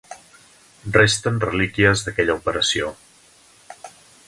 Resten relíquies d'aquella operació.